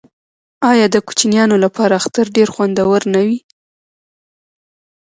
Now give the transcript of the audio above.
آیا د کوچنیانو لپاره اختر ډیر خوندور نه وي؟